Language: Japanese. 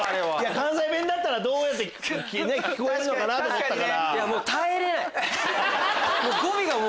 関西弁だったらどう聞こえるのかなと思ったから。